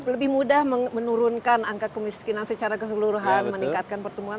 lebih mudah menurunkan angka kemiskinan secara keseluruhan meningkatkan pertumbuhan